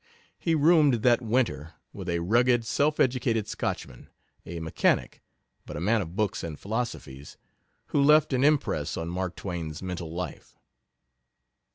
He roomed that winter with a rugged, self educated Scotchman a mechanic, but a man of books and philosophies, who left an impress on Mark Twain's mental life.